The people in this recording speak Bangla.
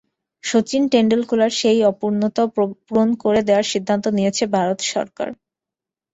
শচীন টেন্ডুলকারের সেই অপূর্ণতাও পূরণ করে দেওয়ার সিদ্ধান্ত নিয়েছে ভারত সরকার।